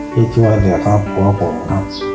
ที่ช่วยเหนือท่านพ่อผม